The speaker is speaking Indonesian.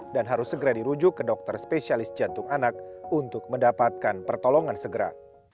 dan harus segera dirujuk ke dokter spesialis jantung anak untuk mendapatkan pertolongan segera